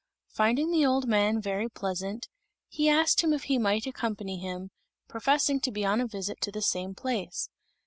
Finding the old man very pleasant, he asked him if he might accompany him, professing to be on a visit to the same place.